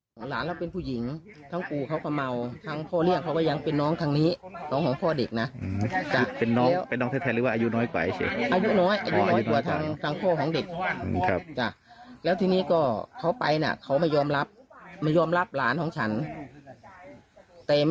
ไม่อยากได้เนี้ยถ้าไปปัญหามันจะเกิดขึ้นกับหลานฉันไหม